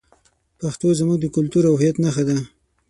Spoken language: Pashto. پښتو زموږ د کلتور او هویت نښه ده.